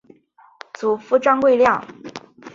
祖父张贵谅。